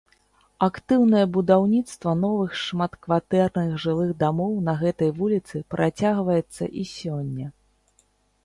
Актыўнае будаўніцтва новых шматкватэрных жылых дамоў на гэтай вуліцы працягваецца і сёння.